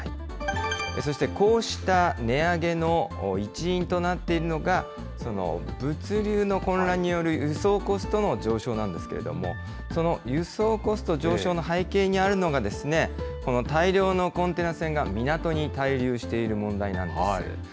そしてこうした値上げの一因となっているのが、物流の混乱による輸送コストの上昇なんですけれども、その輸送コスト上昇の背景にあるのが、この大量のコンテナ船が港に滞留している問題なんです。